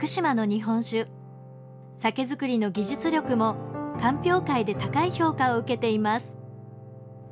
酒造りの技術力も鑑評会で高い評価を受けています。